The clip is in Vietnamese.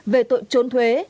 về tội trốn thuế